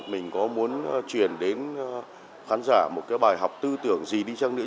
mình có muốn truyền đến khán giả một cái bài học tư tưởng gì đi chăng nữa